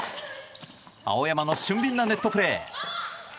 青山の俊敏なネットプレー。